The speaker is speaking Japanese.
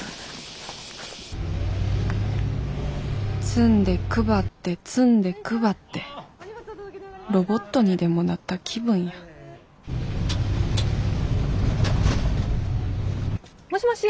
積んで配って積んで配ってロボットにでもなった気分やもしもし。